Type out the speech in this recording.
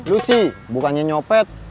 lucy bukannya nyopet